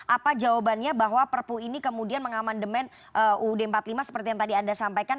apa jawabannya bahwa perpu ini kemudian mengamandemen uud empat puluh lima seperti yang tadi anda sampaikan